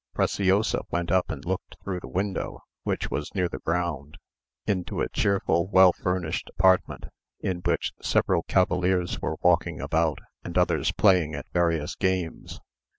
Preciosa went up and looked through the window, which was near the ground, into a cheerful, well furnished apartment, in which several cavaliers were walking about, and others playing at various games.